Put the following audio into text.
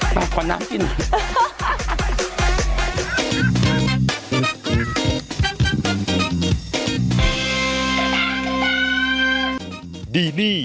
ไปขวานน้ำกินหน่อย